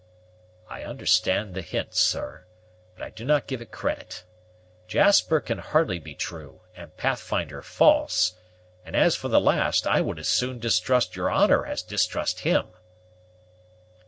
"I understand the hint, sir, but I do not give it credit. Jasper can hardly be true, and Pathfinder false; and, as for the last, I would as soon distrust your honor as distrust him."